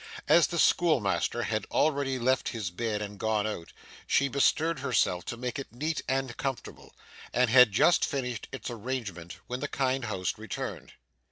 As the schoolmaster had already left his bed and gone out, she bestirred herself to make it neat and comfortable, and had just finished its arrangement when the kind host returned.